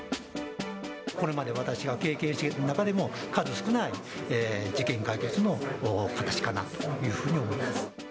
これまで私が経験してきた中でも、数少ない事件解決の形かなというふうに思います。